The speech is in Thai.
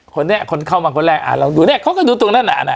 คนนี้คนเข้ามาคนแรกอ่าเราดูเนี่ยเขาก็ดูตรงนั้นน่ะ